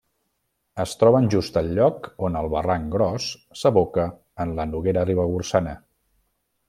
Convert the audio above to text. Es troben just al lloc on el barranc Gros s'aboca en la Noguera Ribagorçana.